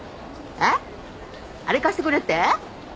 あれ貸してくれって？